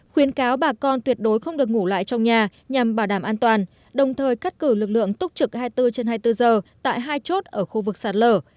khuyến cáo bà con tuyệt đối không được ngủ lại trong nhà nhằm bảo đảm an toàn đồng thời cắt cử lực lượng túc trực hai mươi bốn trên hai mươi bốn giờ tại hai chốt ở khu vực sạt lở